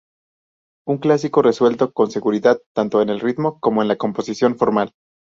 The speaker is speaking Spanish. Un clásico resuelto con seguridad, tanto en el ritmo como en la composición formal.